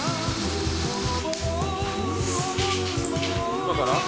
今から？